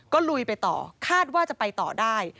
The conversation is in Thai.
ก็ลุยไปต่อคาดว่าจะไปต่อได้